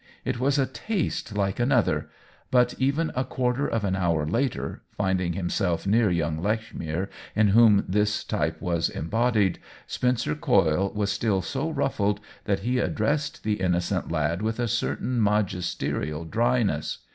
It was a taste like an other ; but, even a quarter of an hour later, finding himself near young Lechmere, in whom this type was embodied, Spencer Coyle was still so ruffled that he addressed 2o6 OWEN WINGRAVE the innocent lad with a certain magisterial dryness.